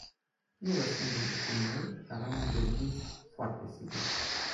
Nu răspund de gustul meu, dar am un dezgust foarte sigur.